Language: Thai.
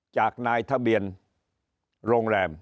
จากนายทะเบียนโรงแรม